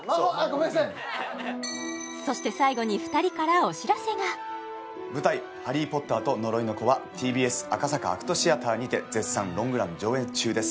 うんそして最後に舞台「ハリー・ポッターと呪いの子」はＴＢＳ赤坂ＡＣＴシアターにて絶賛ロングラン上演中です